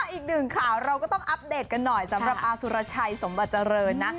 อีกหนึ่งข่าวเราก็ต้องอัปเดตกันหน่อยสำหรับอาสุรชัยสมบัติเจริญนะ